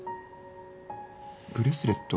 ブレスレット？